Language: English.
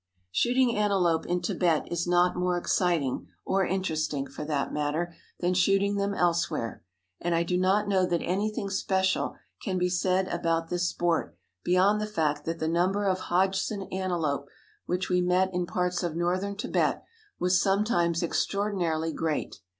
Shooting antelope in Tibet is not more exciting or interesting, for that matter than shooting them elsewhere, and I do not know that anything special can be said about this sport beyond the fact that the number of Hodgson antelope which we met in parts of northern Tibet was sometimes extraordinarily great.